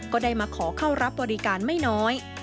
ก็ได้มาขอเข้ารับบริการไม่น้อย